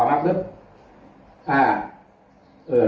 เจ้าฟังป่ะเนี่ย